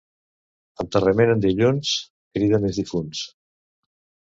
Enterrament en dilluns crida més difunts.